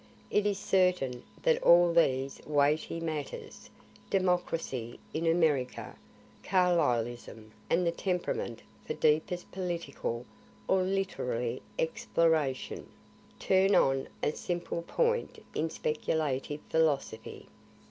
It is certain that all these weighty matters, democracy in America, Carlyleism, and the temperament for deepest political or literary exploration, turn on a simple point in speculative philosophy.